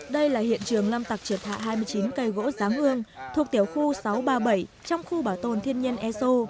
đây là hiện trường lâm tặc triệt hạ hai mươi chín cây gỗ giáng hương thuộc tiểu khu sáu trăm ba mươi bảy trong khu bảo tồn thiên nhiên e sô